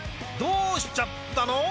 どうしちゃったの？